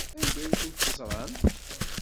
Anda ay tent-teẓramt?